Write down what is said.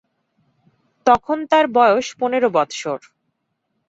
তখন তাঁর বয়স পনর বৎসর।